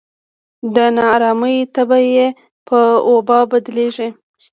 د نا ارامۍ تبه یې په وبا بدلېږي.